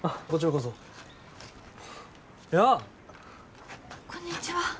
こんにちは。